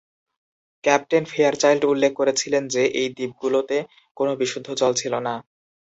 Captain Fairchild উল্লেখ করেছিলেন যে, এই দ্বীপগুলোতে কোনো বিশুদ্ধ জল ছিল না।